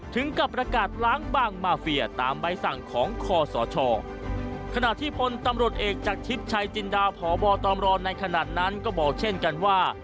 ถึงกับประกาศล้างบางมาเฟียตามใบสั่งของคอสชขณะที่พลตำรวจเอกจากทิพย์ชัยจินดาพบตอมรในขณะนั้นก็บอกเช่นกันว่า